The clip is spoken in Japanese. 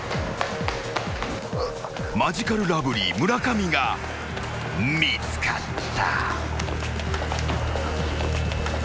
［マヂカルラブリー村上が見つかった］